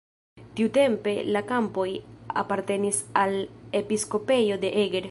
Tiutempe la kampoj apartenis al episkopejo de Eger.